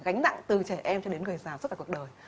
gánh nặng từ trẻ em cho đến người già suốt cả cuộc đời